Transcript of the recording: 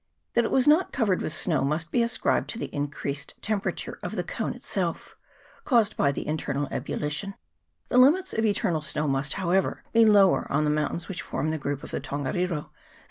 That it was not covered with snow must be ascribed to the increased temperature of the cone itself, caused by the internal ebullition. The limits of eternal snow must, however, be lower on the moun tains which form the group of the Tongariro than 2A9 356 LAKE ROTU AIRE.